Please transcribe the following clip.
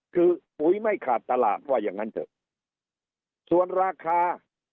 คือปุ๋ยไม่ขาดตลาดว่าอย่างงั้นเถอะส่วนราคา